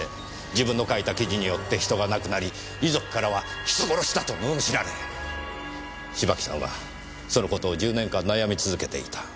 自分の書いた記事によって人が亡くなり遺族からは人殺しだと罵られ芝木さんはその事を１０年間悩み続けていた。